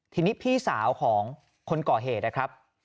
ทีนี้พี่สาวของคนก่อเหตุนะครับ